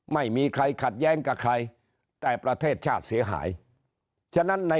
ไม่มีใครขัดแย้งกับใครแต่ประเทศชาติเสียหายฉะนั้นใน